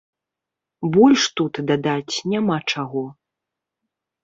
Больш тут дадаць няма чаго.